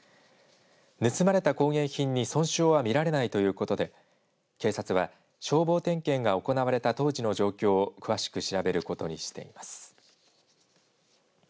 盗まれた工芸品に損傷は見られないということで警察は、消防点検が行われた当時の状況を詳しく調べることにしています。